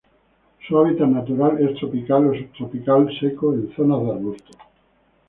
Su hábitat natural es tropical o subtropical seco en zonas de arbustos.